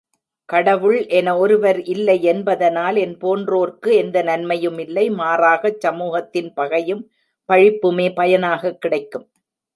கடவுள் என ஒருவர் இல்லையென்பதனால் என்போன்றோர்க்கு எந்த நன்மையும் இல்லை மாறாகச் சமூகத்தின் பகையும் பழிப்புமே பயனாகக் கிடைக்கும்.